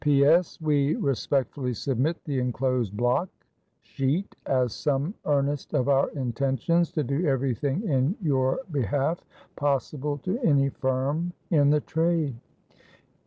"P. S. We respectfully submit the enclosed block sheet, as some earnest of our intentions to do every thing in your behalf possible to any firm in the trade.